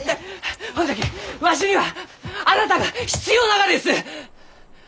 ほんじゃきわしにはあなたが必要ながです！